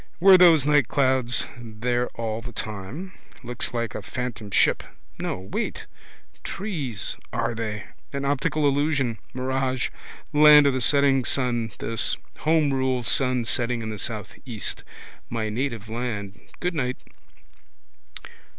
Were those nightclouds there all the time? Looks like a phantom ship. No. Wait. Trees are they? An optical illusion. Mirage. Land of the setting sun this. Homerule sun setting in the southeast. My native land, goodnight.